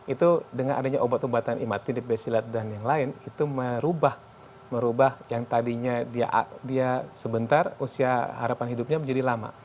itu dengan adanya obat obatan imati di pesilat dan yang lain itu merubah yang tadinya dia sebentar usia harapan hidupnya menjadi lama